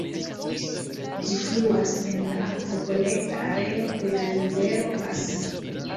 Ĝi fluas en la akvokolekta areo de la rivero Pas.